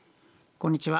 こんにちは。